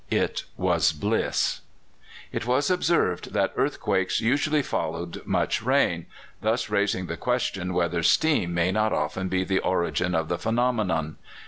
It was bliss! It was observed that earthquakes usually followed much rain, thus raising the question whether steam may not often be the origin of the phenomenon.